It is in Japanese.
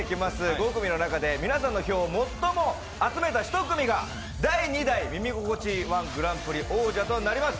５組の中で皆さんの票を最も集めた一組が、第２代「耳心地いい−１グランプリ」の王者となります